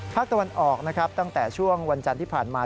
ภาคตะวันออกนะครับตั้งแต่ช่วงวันจันทร์ที่ผ่านมา